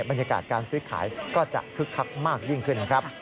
บรรยากาศการซื้อขายก็จะคึกคักมากยิ่งขึ้นนะครับ